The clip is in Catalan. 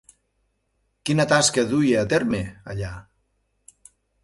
Quina tasca duia a terme allà?